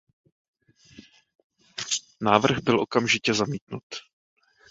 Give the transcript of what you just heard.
Návrh byl okamžitě zamítnut.